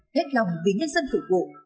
hết lòng vì nhân dân thủ vụ